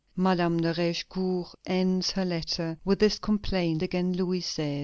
Madame de Raigecourt ends her letter with this complaint against Louis XVI.